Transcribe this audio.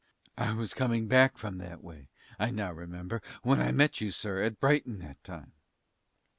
I was coming back from that way, I now remember, when I met you, sir, at Brighton that time.